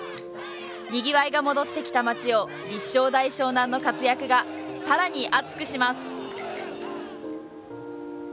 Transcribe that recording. にぎわいが戻ってきた町を立正大淞南の活躍がさらに熱くします。